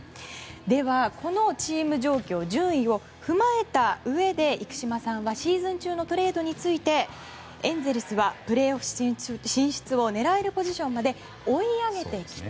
では、このチーム状況の順位を踏まえたうえで生島さんはシーズン中のトレードについてエンゼルスはプレーオフ進出を狙えるポジションまで追い上げてきた。